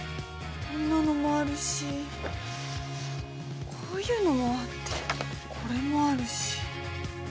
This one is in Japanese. こんなのもあるしこういうのもあってこれもあるし。